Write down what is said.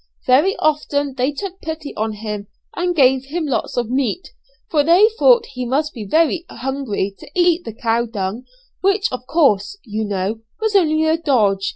Very often they took pity on him and gave him lots of meat; for they thought he must be very hungry to eat the cow dung, which of course, you know, was only a dodge.